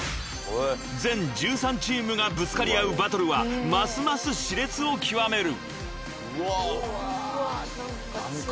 ［全１３チームがぶつかり合うバトルはますます熾烈を極める］